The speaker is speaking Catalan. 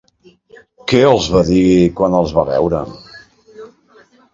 Què els va dir quan els va veure?